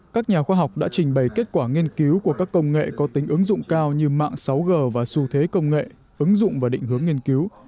các nhà khoa học đã trình bày kết quả nghiên cứu của các công nghệ có tính ứng dụng cao như mạng sáu g và xu thế công nghệ ứng dụng và định hướng nghiên cứu